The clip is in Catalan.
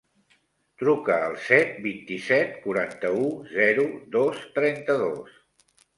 Truca al set, vint-i-set, quaranta-u, zero, dos, trenta-dos.